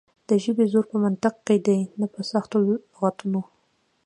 د ژبې زور په منطق کې دی نه په سختو لغتونو.